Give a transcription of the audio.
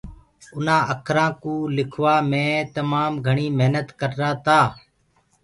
اُنآ اکرآنٚ ڪوُ لِکوآ مي همي تمآ گهڻي محنت ڪرآ تآ۔